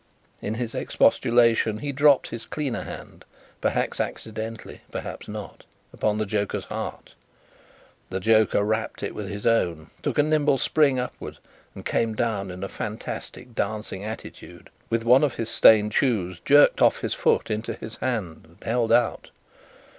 In his expostulation he dropped his cleaner hand (perhaps accidentally, perhaps not) upon the joker's heart. The joker rapped it with his own, took a nimble spring upward, and came down in a fantastic dancing attitude, with one of his stained shoes jerked off his foot into his hand, and held out.